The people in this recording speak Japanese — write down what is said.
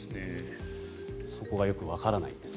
そこがよくわからないんです。